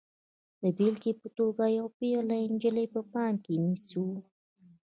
د بېلګې په توګه یوه پیغله نجلۍ په پام کې نیسو.